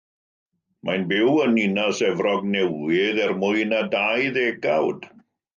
Mae hi'n byw yn Ninas Efrog Newydd er mwy na dau ddegawd.